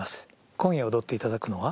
今夜踊っていただくのは？